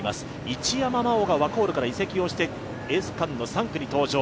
一山麻緒がワコールから移籍して、エース区間の３区に登場。